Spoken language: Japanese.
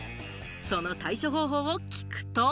その対処方法を聞くと。